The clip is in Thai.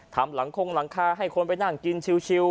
หลังคงหลังคาให้คนไปนั่งกินชิว